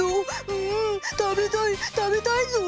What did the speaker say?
うん食べたい食べたいぞ。